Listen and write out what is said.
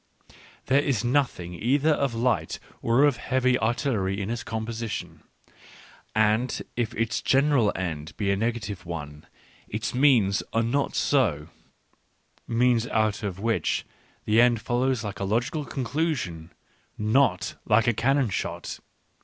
There is nothing either of light or of heavy artillery in its composition, and if its general end be a negative one, its means are not so — means out of which the end follows like a logical conclusion, not like a cannon shot.